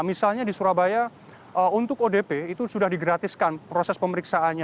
misalnya di surabaya untuk odp itu sudah digratiskan proses pemeriksaannya